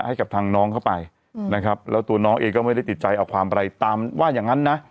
ให้กับทางน้องเข้าไปนะครับแล้วตัวน้องเองก็ไม่ได้ติดใจเอาความอะไรตามว่าอย่างนั้นนะ